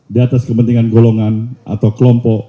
di atas kepentingan golongan atau kelompok